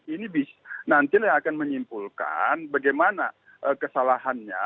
ini nantinya akan menyimpulkan bagaimana kesalahannya